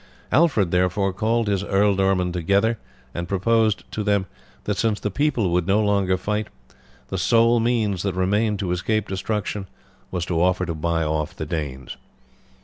Alfred therefore called his ealdormen together and proposed to them, that since the people would no longer fight, the sole means that remained to escape destruction was to offer to buy off the Danes.